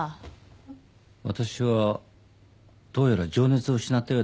私はどうやら情熱を失ったようだ。